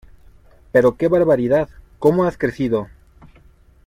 ¡Pero que barbaridad, como has crecido!